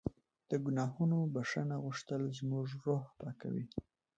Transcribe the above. د ګناهونو بښنه غوښتل زموږ روح پاکوي.